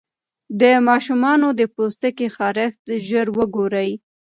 د ماشوم د پوستکي خارښت ژر وګورئ.